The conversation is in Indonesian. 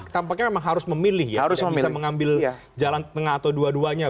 tampaknya memang harus memilih ya harus bisa mengambil jalan tengah atau dua duanya